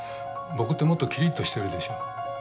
僕ってもっとキリッとしてるでしょ。